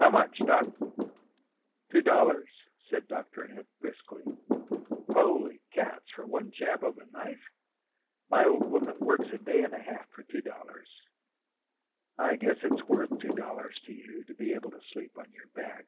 "How much, Doc?" "Two dollars," said Dr. Ed briskly. "Holy cats! For one jab of a knife! My old woman works a day and a half for two dollars." "I guess it's worth two dollars to you to be able to sleep on your back."